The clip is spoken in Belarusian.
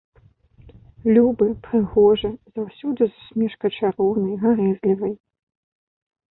Любы, прыгожы, заўсёды з усмешкай чароўнай, гарэзлівай.